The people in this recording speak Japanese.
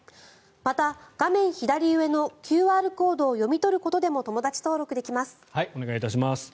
また画面左上のＱＲコードを読み取ることでもお願いいたします。